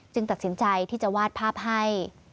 ตัดสินใจที่จะวาดภาพให้